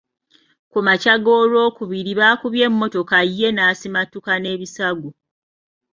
Ku makya g’Olwokubiri bakubye emmotoka ye n’asimattuka n’ebisago.